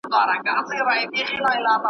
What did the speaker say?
د غم سړې شپې ,